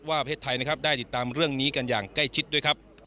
ประเทศไทยนะครับได้ติดตามเรื่องนี้กันอย่างใกล้ชิดด้วยครับ